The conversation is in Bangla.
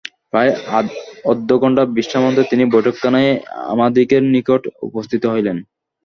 প্রায় অর্ধঘণ্টা বিশ্রামান্তে তিনি বৈঠকখানায় আমাদিগের নিকট উপস্থিত হইলেন।